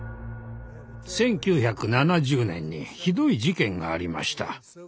１９７０年にひどい事件がありました。